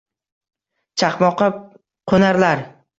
Chaqmoqqa qoʻnarlar –